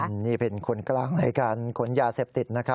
นี่เป็นคนกลางในการขนยาเสพติดนะครับ